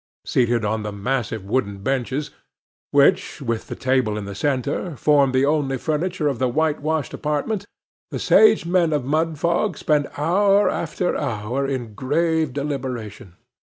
Seated on the massive wooden benches, which, with the table in the centre, form the only furniture of the whitewashed apartment, the sage men of Mudfog spend hour after hour in grave deliberation.